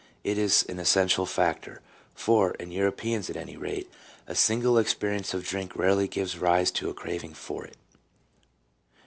It is an essential factor, for, in Europeans at any rate, a single experience of drink rarely gives rise to a craving for it."